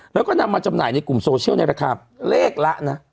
แล้วก็นำมาจำหน่ายในกลุ่มโซเชียลในราคาเลขละนะ